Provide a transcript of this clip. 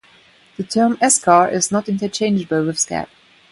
The term "eschar" is not interchangeable with "scab".